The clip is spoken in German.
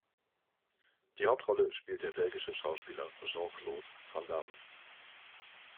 Die Hauptrolle spielt der belgische Schauspieler Jean-Claude Van Damme.